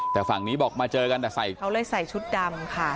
แต่ฝั่งนี้บอกมาเจอกันแต่ใส่เขาเลยใส่ชุดดำค่ะ